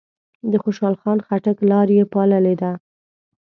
د خوشحال خان خټک لار یې پاللې ده.